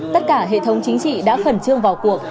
tất cả hệ thống chính trị đã khẩn trương vào cuộc